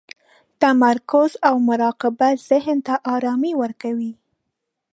تمرکز او مراقبه ذهن ته ارامي ورکوي.